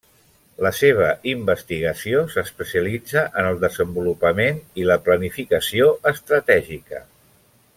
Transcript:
La seva investigació s'especialitza en el desenvolupament i la planificació estratègica.